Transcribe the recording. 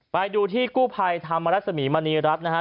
ไปดูที่กู้ภัยธรรมรัศมีมณีรัฐนะฮะ